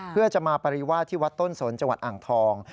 เพื่อจะมาปริวาสที่วัดต้นสนจังหวัดอ่างทอง